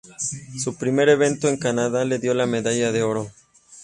Su primer evento en Canadá le dio la medalla de oro.